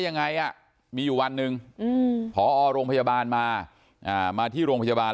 ยังไงมีอยู่วันหนึ่งพอโรงพยาบาลมามาที่โรงพยาบาล